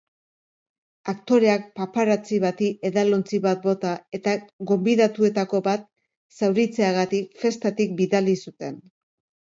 Aktoreak papparazzi bati edalontzi bat bota eta gonbidatuetako bat zauritzeagatik festatik bidali zuten.